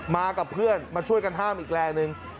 มากับเพื่อนมาช่วยกันห้ามอีกแรงหนึ่ง